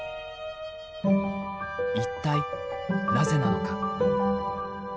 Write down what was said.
一体なぜなのか？